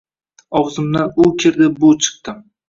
Og‘zimdan u kirdi, bu chiqdi.